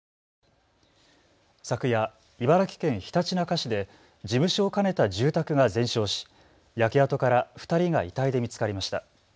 昨夜、茨城県ひたちなか市で事務所を兼ねた住宅が全焼し焼け跡から２人が遺体で見つかりました。